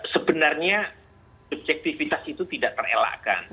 sebenarnya subjektivitas itu tidak terelakkan